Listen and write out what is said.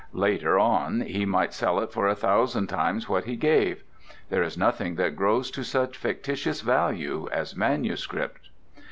Later on he might sell it for a thousand times what he gave. There is nothing that grows to such fictitious value as manuscript.